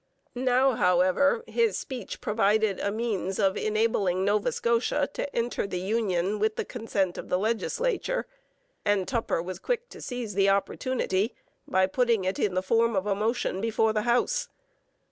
Now, however, his speech provided a means of enabling Nova Scotia to enter the union with the consent of the legislature, and Tupper was quick to seize the opportunity by putting it in the form of a motion before the House.